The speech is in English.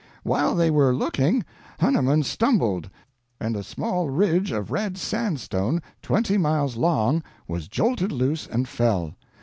While they were looking, Hanuman stumbled, and a small ridge of red sandstone twenty miles long was jolted loose and fell.